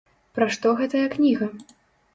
Пра што гэтая кніга?